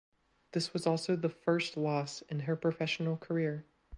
This was also the first loss in her professional career.